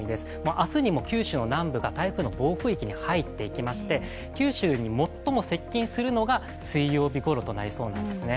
明日にも九州の南部が台風の暴風域に入っていきまして、九州に最も接近するのが水曜日ごろとなりそうなんゆですね。